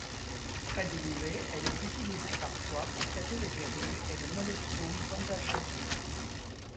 Très diluée, elle est utilisée parfois pour traiter les verrues et le Molluscum contagiosum.